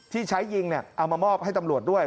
ที่ใช้ยิงเอามามอบให้ตำรวจด้วย